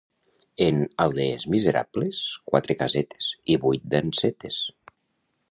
En aldees miserables, quatre casetes i vuit dansetes.